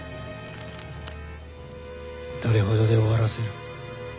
どれほどで終わらせる？